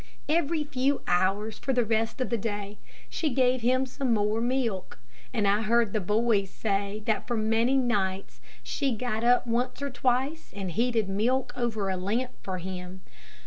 Every few hours for the rest of the day, she gave him some more milk, and I heard the boys say that for many nights she got up once or twice and heated milk over a lamp for him.